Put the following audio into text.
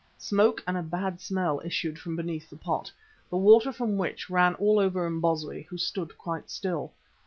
Smoke and a bad smell issued from beneath the pot, the water from which ran all over Imbozwi, who stood quite still.